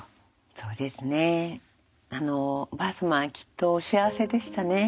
そうですねおばあ様はきっとお幸せでしたね。